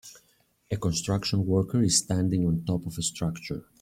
A construction worker is standing on top of a structure.